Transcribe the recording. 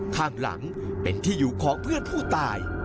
ข้างหลังเป็นที่อยู่ของเพื่อนผู้ตาย